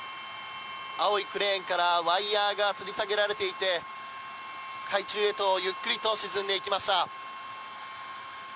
青いクレーンからワイヤがつり下げられていて海中へとゆっくりと沈んでいきました。